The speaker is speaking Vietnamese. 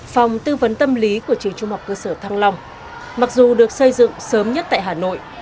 phòng tư vấn tâm lý của trường trung học cơ sở thăng long mặc dù được xây dựng sớm nhất tại hà nội